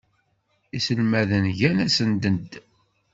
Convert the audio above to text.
Iselmaden gan asunded.